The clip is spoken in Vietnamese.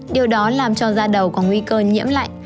điều đó làm cho da đầu có nguy cơ nhiễm lạnh